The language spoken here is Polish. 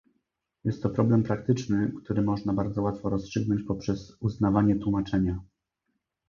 Jest to problem praktyczny, który można bardzo łatwo rozstrzygnąć poprzez uznawanie tłumaczenia